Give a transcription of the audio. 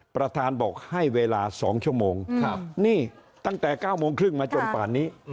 ประธานบอกให้เวลา๒ชั่วโมงนี่ตั้งแต่๙โมงครึ่งมาจนป่านนี้